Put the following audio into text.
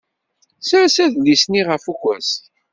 Sers adlis-nni ɣef ukersi.